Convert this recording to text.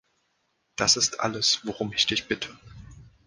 Das ist alles, worum ich dich bitte.